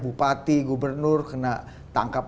bupati gubernur kena tangkap